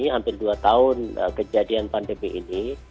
hampir dua tahun kejadian pandemi ini